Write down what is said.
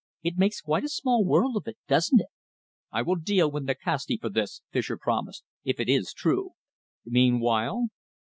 It makes quite a small world of it, doesn't it?" "I will deal with Nikasti for this," Fischer promised, "if it is true. Meanwhile?"